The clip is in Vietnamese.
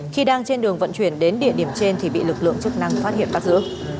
khi đang trên đường vận chuyển đến địa điểm trên thì bị lực lượng chức năng phát hiện bắt giữ